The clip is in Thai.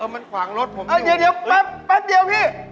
มันขวางรถผมเดี๋ยวแป๊บเดียวพี่